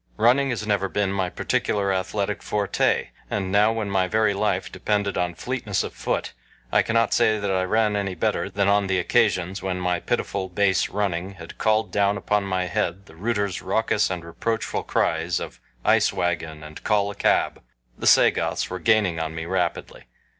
Running has never been my particular athletic forte, and now when my very life depended upon fleetness of foot I cannot say that I ran any better than on the occasions when my pitiful base running had called down upon my head the rooter's raucous and reproachful cries of "Ice Wagon," and "Call a cab." The Sagoths were gaining on me rapidly.